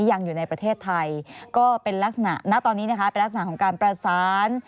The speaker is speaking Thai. ยังอยู่ในประเทศไทยก็เป็นลักษณะณตอนนี้นะคะเป็นลักษณะของการประสาน